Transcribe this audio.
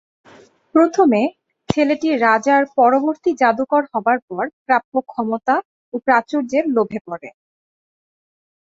প্রথমে, ছেলেটি রাজার পরবর্তী জাদুকর হবার পর প্রাপ্য ক্ষমতা ও প্রাচুর্যের লোভে পরে।